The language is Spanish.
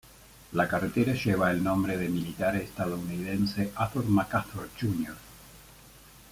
La carretera lleva el nombre de militar estadounidense Arthur MacArthur, Jr.